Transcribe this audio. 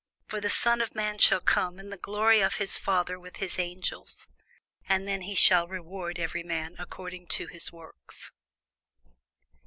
For the Son of man shall come in the glory of his Father with his angels; and then he shall reward every man according to his works.